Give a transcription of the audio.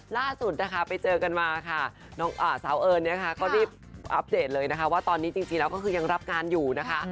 ล่าสุดนะคะไปเจอกันมาค่ะน้องสาวเอิญเนี่ยค่ะก็รีบอัปเดตเลยนะคะว่าตอนนี้จริงแล้วก็คือยังรับงานอยู่นะคะ